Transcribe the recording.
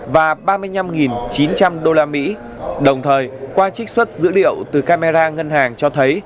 và ba mươi năm chín trăm linh đô la mỹ đồng thời qua trích xuất dữ liệu từ camera ngân hàng cho thấy